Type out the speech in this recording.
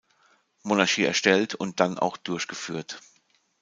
Monarchie erstellt und dann auch durchgeführt.